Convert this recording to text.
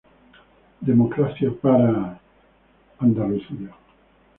Democracia para Cataluña".